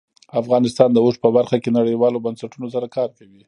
افغانستان د اوښ په برخه کې نړیوالو بنسټونو سره کار کوي.